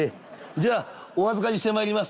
じゃあお預かりしてまいります」。